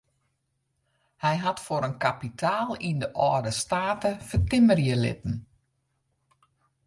Hy hat foar in kapitaal yn de âlde state fertimmerje litten.